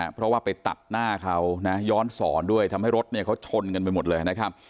เพราะว่าไปตัดหน้าเขาย้อนศรด้วยทำให้รถเขาชนกันไปหมดเลย